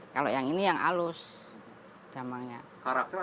kalau yang ini yang halus gamangnya